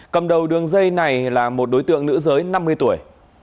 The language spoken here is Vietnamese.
cầm đầu đường dây này là một đối tượng nữ giới năm mươi tuổi